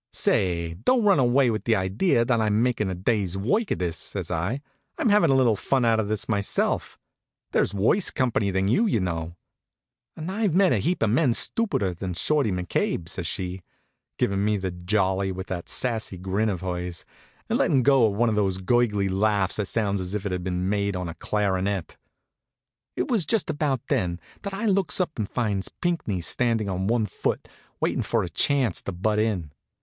"Say, don't run away with the idea that I'm makin' a day's work of this," says I. "I'm havin' a little fun out of this myself. There's worse company than you, y'know." "And I've met a heap of men stupider than Shorty McCabe," says she, givin' me the jolly with that sassy grin of hers, and lettin' go one of those gurgly laughs that sounds as if it had been made on a clarinet. It was just about then that I looks up and finds Pinckney standing on one foot, waitin' for a chance to butt in.